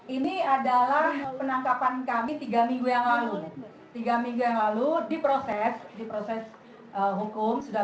ini adalah penangkapan kami tiga minggu yang lalu tiga minggu yang lalu diproses di proses hukum sudah